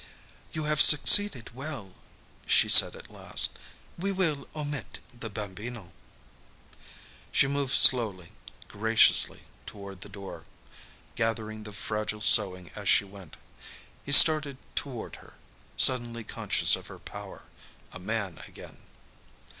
"You have succeeded well," she said at last. "We will omit the Bambino." She moved slowly, graciously, toward the door, gathering the fragile sewing as she went. He started toward her suddenly conscious of her power a man again.